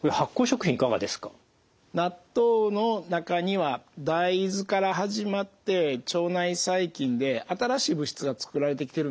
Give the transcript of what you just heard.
納豆の中には大豆から始まって腸内細菌で新しい物質が作られてきてるんですね。